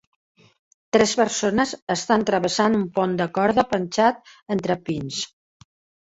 tres persones estan travessant un pont de corda penjat entre pins.